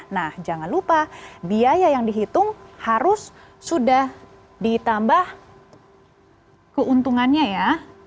nah jangan lupa biaya yang dihitung harus sudah ditambah keuntungannya ya